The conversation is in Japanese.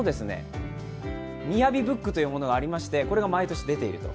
「みやびＢＯＯＫ」というものがありましてこれが毎年出ていると。